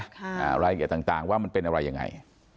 อะไรเหลือต่างว่ามันเป็นอะไรยังไง